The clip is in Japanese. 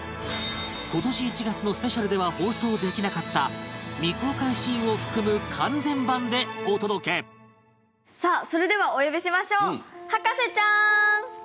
今年１月のスペシャルでは放送できなかった未公開シーンを含む完全版でお届けさあそれではお呼びしましょう。